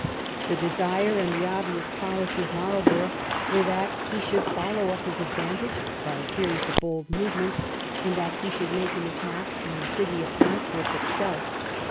The desire, and the obvious policy, of Marlborough were that he should follow up his advantage by a series of bold movements, and that he should make an attack on the city of Antwerp itself.